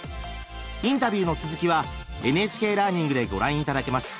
インタビューの続きはＮＨＫラーニングでご覧頂けます。